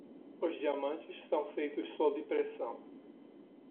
Os diamantes são feitos sob pressão.